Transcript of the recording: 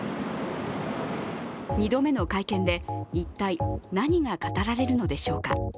２度目の会見で一体何が語られるのでしょうか。